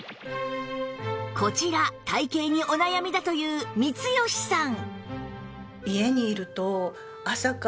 こちら体形にお悩みだという光吉さん